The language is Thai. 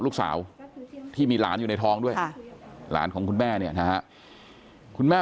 ลูกสาวที่มีหลานอยู่ในท้องด้วยหลานของคุณแม่เนี่ยนะฮะคุณแม่